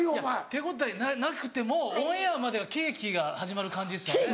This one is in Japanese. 手応えなくてもうオンエアまで刑期が始まる感じですよね。